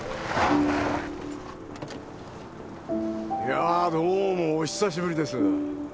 やあどうもお久しぶりです。